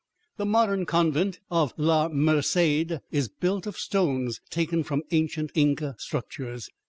The modern convent of La Merced is built of stones taken from ancient Inca structures.